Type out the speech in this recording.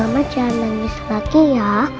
mama jangan nangis lagi ya